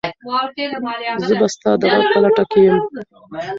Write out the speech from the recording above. زه به ستا د غږ په لټه کې یم.